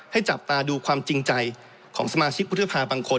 จับตาดูความจริงใจของสมาชิกวุฒิภาบางคน